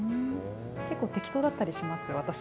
結構適当だったりしますよ、私。